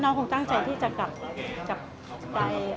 อาทิตย์นี้คงเสียใจมากอยู่แล้ว